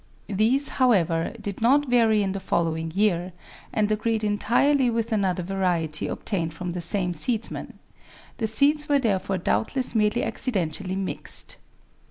These, however, did not vary in the following year, and agreed entirely with another variety obtained from the same seedsman; the seeds were therefore doubtless merely accidentally mixed.